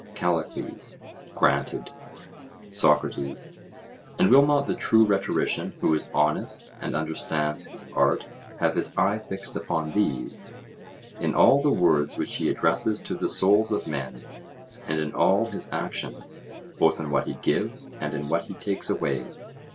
CALLICLES: Granted. SOCRATES: And will not the true rhetorician who is honest and understands his art have his eye fixed upon these, in all the words which he addresses to the souls of men, and in all his actions, both in what he gives and in what he takes away?